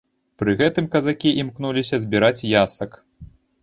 Пры гэтым казакі імкнуліся збіраць ясак.